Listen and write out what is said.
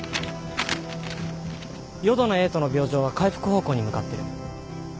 淀野瑛斗の病状は回復方向に向かってる。